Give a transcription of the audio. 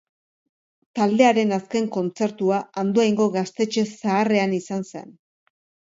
Taldearen azken kontzertua Andoaingo Gaztetxe zaharrean izan zen.